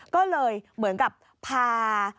ก็เลยเหมือนกับพา